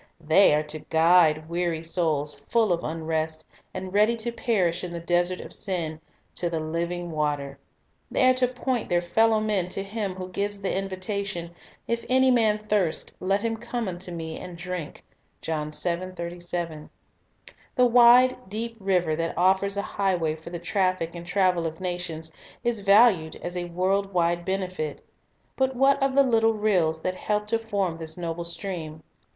They are to guide weary souls, full of unrest, and ready to perish in the desert of sin, to the living water. They are to point their fellow men to Him who gives the invitation, "If any man thirst, let him come unto Me, and drink." 2 River and Brook The wide, deep river, that offers a highway for the traffic and travel of nations, is valued as a world wide benefit; but what of the little rills that help to form this noble stream?